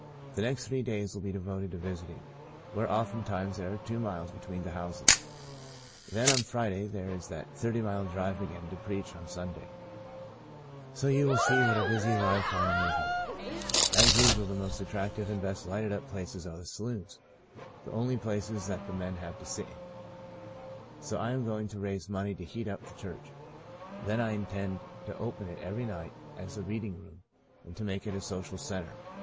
The next three days will be devoted to visiting, where oftentimes there are two miles be tween the houses. Then on Friday there is that thirty mile drive again to preach on The Portion of Manasseh 1 1 7 Sunday. So you see what a busy life I am living. "As usual the most attractive and best lighted up places are the saloons, the only places that the men have to sit in. So I am going to raise money to heat up the church, then I intend to open it every night as a reading room and to make it a social centre.